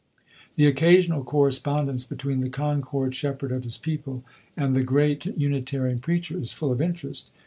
The occasional correspondence between the Concord shepherd of his people and the great Unitarian preacher is full of interest.